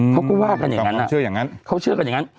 เขาก็ว่ากันอย่างนั้นอ่ะเขาเชื่อกันอย่างนั้น